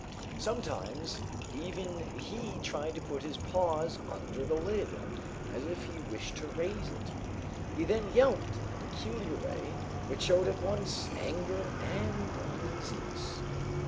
Sometimes even he tried to put his paws under the lid, as if he wished to raise it. He then yelped in a peculiar way, which showed at once anger and uneasiness.